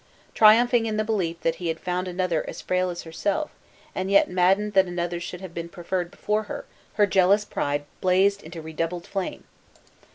Triumphing in the belief that he had found another as frail as herself, and yet maddened that another should have been preferred before her, her jealous pride blazed into redoubled flame.